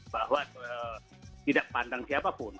bahwa tidak pandang siapapun